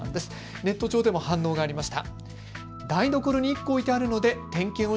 ネット上でも反応がありました。